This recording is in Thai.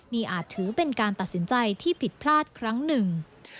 นี่อาจถือเป็นการตัดสินใจที่ผิดพลาดครั้งหนึ่ง